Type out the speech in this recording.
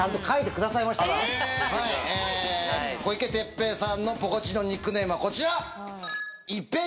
小池徹平さんのポコチンのニックネームはこちら。